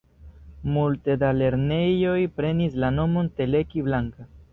Multe da lernejoj prenis la nomon Teleki Blanka.